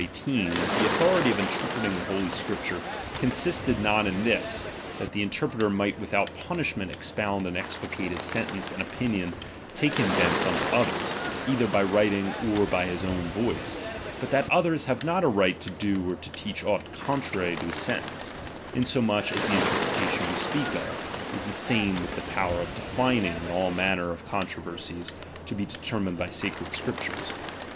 18, that the authority of interpreting tlie Holy Scriptures con sisted not in this, that the interpreter might without punishment expound and explicate his sentence and opinion taken thence unto others, either by writing or by his own voice ; but that others have not a right to do or teach aught contrary to his sentence ; inso much as the interpretation we speak of, is the same with the power of defining in all manner of con troversies to be determined by sacred Scriptures.